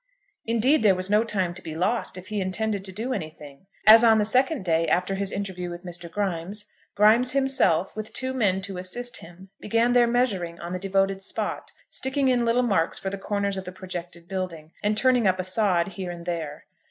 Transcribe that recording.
Indeed, there was no time to be lost if he intended to do anything, as on the second day after his interview with Mr. Grimes, Grimes himself, with two men to assist him, began their measuring on the devoted spot, sticking in little marks for the corners of the projected building, and turning up a sod here and there.